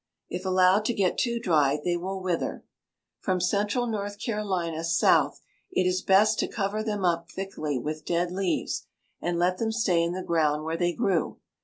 If allowed to get too dry, they will wither. From central North Carolina south it is best to cover them up thickly with dead leaves and let them stay in the ground where they grew.